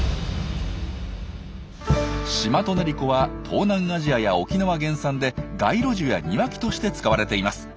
シマトネリコは東南アジアや沖縄原産で街路樹や庭木として使われています。